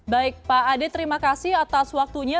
baik pak ade terima kasih atas waktunya